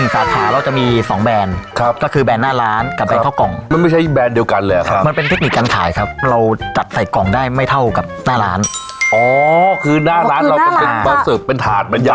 ก็ทำงานวันละสามสี่ชั่วโมงพอครับอย่าไปทำเยอะ